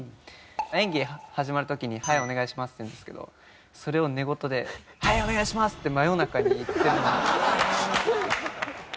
演技始まる時に「はいお願いします！」って言うんですけどそれを寝言で「はいお願いします！」って真夜中に言ってる。